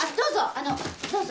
あのどうぞ。